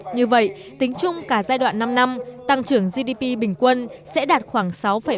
như vậy tính chung cả giai đoạn năm năm tăng trưởng gdp bình quân sẽ đạt khoảng sáu bảy